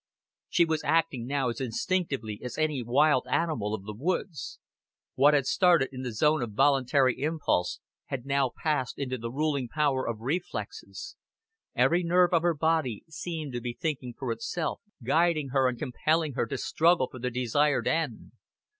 She was acting now as instinctively as any wild animal of the woods. What had started in the zone of voluntary impulse had now passed into the ruling power of reflexes; every nerve of her body seemed to be thinking for itself, guiding her, and compelling her to struggle for the desired end.